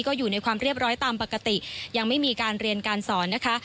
ก็อยู่ในความเรียบร้อยตามปกติยังไม่มีการเรียนการสอนนะคะ